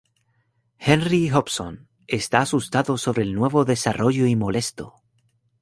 Henry Hobson está asustado sobre el nuevo desarrollo y molesto.